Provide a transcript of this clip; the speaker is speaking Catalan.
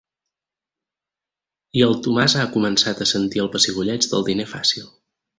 I el Tomàs ha començat a sentir el pessigolleig del diner fàcil.